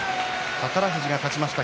宝富士が勝ちました。